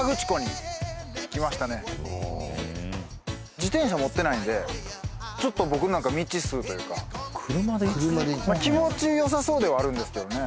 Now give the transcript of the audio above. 自転車持ってないんでちょっと僕なんか未知数というか気持ちよさそうではあるんですけどね